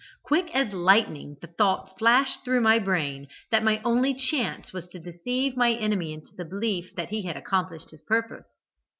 Quick as lightning the thought flashed through my brain, that my only chance was to deceive my enemy into the belief that he had accomplished his purpose.